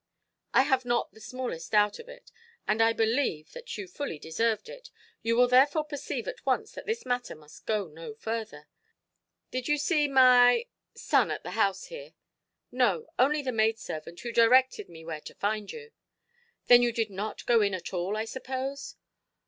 "I have not the smallest doubt of it. And I believe that you fully deserved it. You will therefore perceive at once that this matter must go no further. Did you see my—son at the house here"? "No. Only the maid–servant, who directed me where to find you". "Then you did not go in at all, I suppose"?